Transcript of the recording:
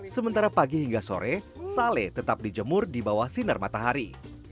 sementara pagi hingga sore sale tetap dijemur di bawah sinar matahari